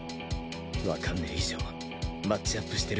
わかんねえ以上マッチアップしてる